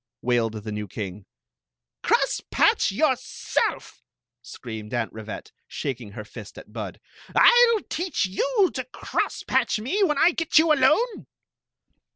wailed the new king. "Crosspatch yourself!" screamed Aunt Rivette, shaking her fist at Bud " I '11 teach you to cross patch mc when I get you alone